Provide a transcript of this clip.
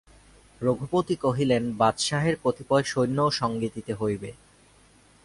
রঘুপতি কহিলেন, বাদশাহের কতিপয় সৈন্যও সঙ্গে দিতে হইবে।